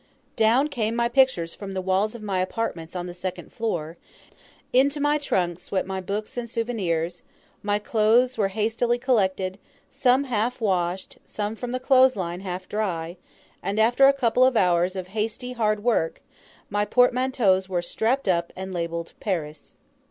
Down came my pictures from the walls of my apartments on the second floor; into my trunks went my books and souvenirs, my clothes were hastily collected, some half washed, some from the clothes line half dry, and after a couple of hours of hasty hard work my portmanteaus were strapped up and labelled "Paris."